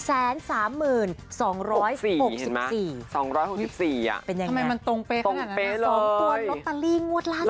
๒๖๔อ่ะทำไมมันตรงเป๊ะขนาดนั้นนะสองต้นล็อตเตอรี่งวดล่าถูกเลย